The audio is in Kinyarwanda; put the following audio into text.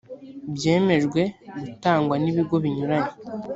byemejwe gutangwa n ibigo binyuranye